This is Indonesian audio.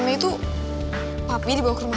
ya udah kita ke rumah